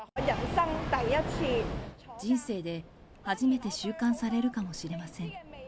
人生で初めて収監されるかもしれません。